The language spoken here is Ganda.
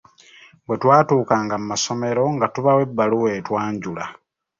Bwe twatuukanga mu masomero nga tubawa ebbaluwa etwanjula.